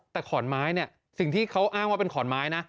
แต่ขอนไม้เนี่ยสิ่งที่เขาอ้างว่าเป็นขอนไม้นะ